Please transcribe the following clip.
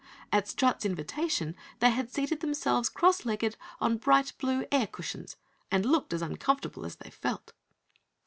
At Strut's invitation they had seated themselves cross legged on bright blue air cushions, and looked as uncomfortable as they felt.